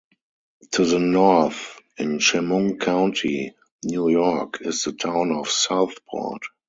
To the north, in Chemung County, New York, is the town of Southport.